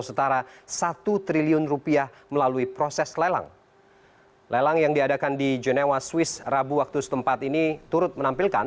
sejumlah koleksi perhiasan keluarga